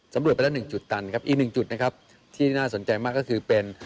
สำรวจไปแล้ว๑จุดตันอีก๑จุดที่น่าสนใจมากก็คือเป็น